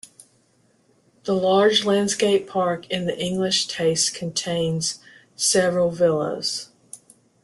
The large landscape park in the English taste contains several villas.